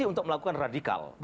itu untuk melakukan radikal